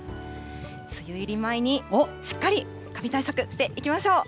梅雨入り前に、しっかりカビ対策していきましょう。